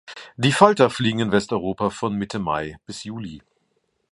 Die Falter fliegen in Westeuropa von Mitte Mai bis Juli.